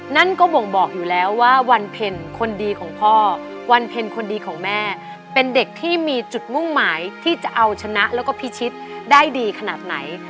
นั่นก็บ่งบอกอยู่แล้วว่าวันเพ็ญคนดีของพ่อวันเพ็ญคนดีของแม่เป็นเด็กที่มีจุดมุ่งหมายที่จะเอาชนะแล้วก็พิชิตได้ดีขนาดไหน